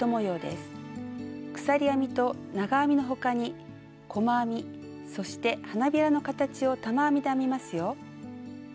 鎖編みと長編みの他に細編みそして花びらの形を玉編みで編みますよ。